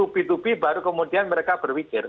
itu tupi tupi baru kemudian mereka berpikir